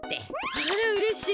あらうれしい。